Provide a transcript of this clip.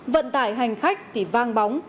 vận tải hành khách thì vang bóng